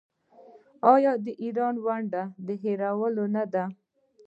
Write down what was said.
آیا د ایران ونډه د هیرولو نه ده؟